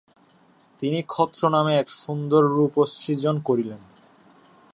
তিনি ক্ষত্র নামে এক সুন্দর রূপ সৃজন করিলেন।